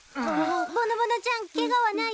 ぼのぼのちゃんケガはない？